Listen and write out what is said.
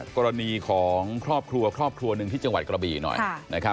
กรณีของครอบครัวครอบครัวหนึ่งที่จังหวัดกระบี่หน่อยนะครับ